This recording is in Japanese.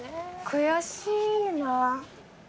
悔しいな。